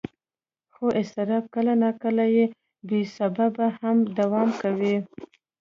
خو اضطراب کله ناکله بې سببه هم دوام کوي.